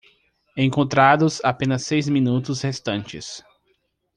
Encontrados apenas seis minutos restantes